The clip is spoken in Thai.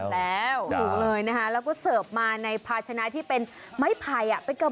แล้วก็เสิร์ฟมาในพาชนะที่เป็นไม้ไผ่